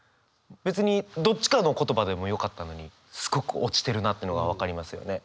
別にどっちかの言葉でもよかったのにすごく落ちてるなってのが分かりますよね。